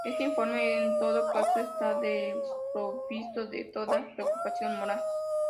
Este informe, en todo caso, está desprovisto de toda preocupación moral.